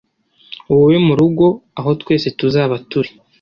wowe murugo, aho twese tuzaba turi